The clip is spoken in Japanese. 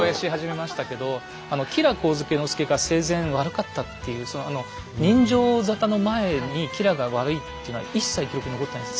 吉良上野介が生前悪かったっていう刃傷沙汰の前に吉良が悪いっていうのは一切記録に残ってないです。